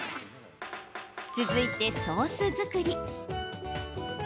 続いて、ソース作り。